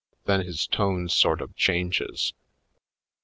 Then his tone sort of changes.